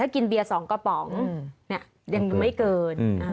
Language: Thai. กินเบียร์๒กระป๋องยังไม่เกิน